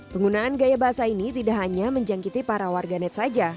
penggunaan gaya bahasa ini tidak hanya menjangkiti para warganet saja